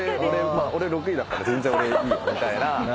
「俺６位だから全然いいよ」みたいな。